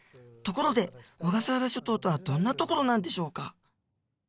ところで小笠原諸島とはどんな所なんでしょうか？